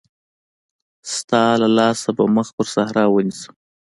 ستا له لاسه به مخ پر صحرا ونيسم.